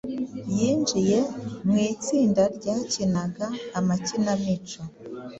yinjiye mu itsinda ryakinaga amakinamico